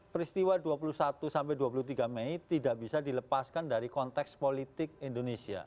peristiwa dua puluh satu sampai dua puluh tiga mei tidak bisa dilepaskan dari konteks politik indonesia